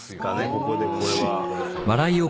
ここでこれは。